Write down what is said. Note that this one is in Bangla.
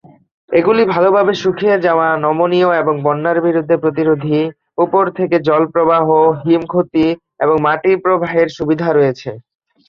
এগুলি ভালভাবে শুকিয়ে যাওয়া, নমনীয় এবং বন্যার বিরুদ্ধে প্রতিরোধী, উপর থেকে জল প্রবাহ, হিম ক্ষতি এবং মাটির প্রবাহের সুবিধা রয়েছে।